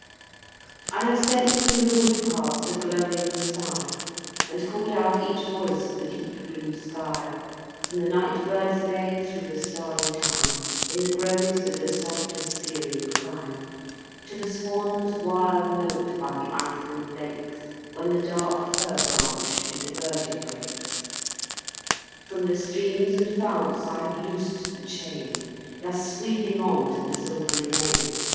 I have sent through the wood paths a glowing sigh, And called out each voice of the deep blue sky, From the night bird's lay through the starry time, In the groves of the soft Hesperian clime, To the swan's wild note by the Iceland lakes, When the dark fir branch into verdure breaks. From the streams and founts I have loosed the chain; They are sweeping on to the silvery main.